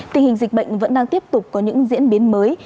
tình hình dịch bệnh vẫn đang tiếp tục có những diễn biến mới